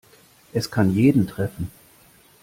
Es kann jeden treffen.